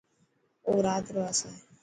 او رات رو آسي.